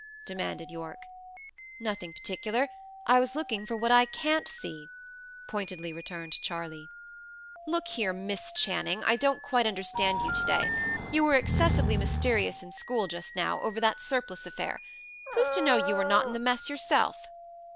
demanded Yorke. "Nothing particular. I was looking for what I can't see," pointedly returned Charley. "Look here, Miss Channing; I don't quite understand you to day. You were excessively mysterious in school, just now, over that surplice affair. Who's to know you were not in the mess yourself?"